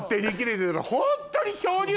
ホントに。